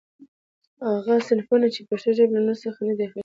غه صنفونه، چي پښتوژبي له نورڅخه نه دي اخستي.